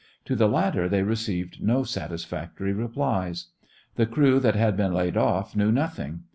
To the latter they received no satisfactory replies. The crew that had been laid off knew nothing.